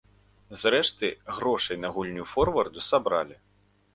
Зрэшты, грошай на гульню форварду сабралі.